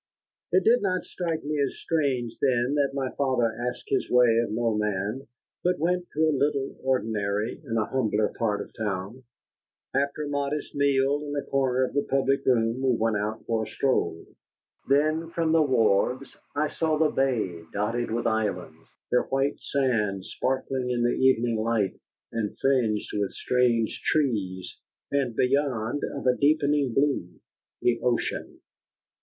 It did not strike me as strange then that my father asked his way of no man, but went to a little ordinary in a humbler part of the town. After a modest meal in a corner of the public room, we went out for a stroll. Then, from the wharves, I saw the bay dotted with islands, their white sand sparkling in the evening light, and fringed with strange trees, and beyond, of a deepening blue, the ocean.